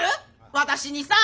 私にさ。